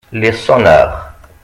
Les sonneurs.